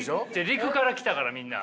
陸から来たからみんな。